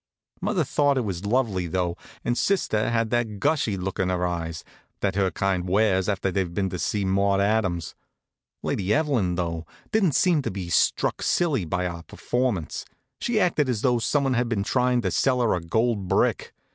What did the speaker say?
Mother thought it was lovely, though, and sister had that gushy look in her eyes that her kind wears after they've been to see Maude Adams. Lady Evelyn, though, didn't seem to be struck silly by our performance. She acted as though someone had been tryin' to sell her a gold brick.